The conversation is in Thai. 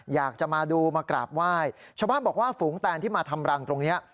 อยากจะมาดูมากราบไหว้ชาวบ้านบอกว่าฝูงแตนที่มาทำรังตรงนี้